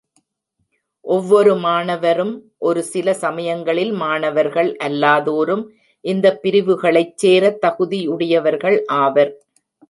ஒவ்வொரு மாணவரும், ஒரு சில சமயங்களில் மாணவர்கள் அல்லாதோரும் இந்தப் பிரிவுகளைச் சேர தகுதியுடையவர்கள் ஆவர்.